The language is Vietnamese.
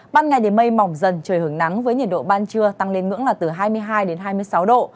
ban ngày thì mây mỏng dần trời hưởng nắng với nhiệt độ ban trưa tăng lên ngưỡng là từ hai mươi hai đến hai mươi sáu độ